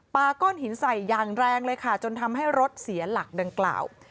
ก้อนหินใส่อย่างแรงเลยค่ะจนทำให้รถเสียหลักดังกล่าว